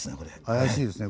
怪しいですね